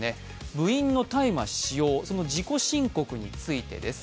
部員の大麻使用、その自己申告についてです。